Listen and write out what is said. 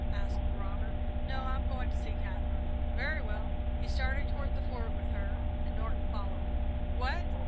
asked Robert. "No; I'm going to see Katherine." "Very well." He started toward the Fort with her and Norton followed them. "What?"